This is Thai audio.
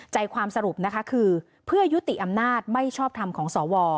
ใจความสรุปนะคะคือเพื่อยุติอำนาจไม่ชอบทำของสว